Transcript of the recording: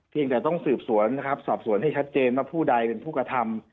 ยังแต่ต้องสืบสวนนะครับสอบสวนให้ชัดเจนว่าผู้ใดเป็นผู้กระทำ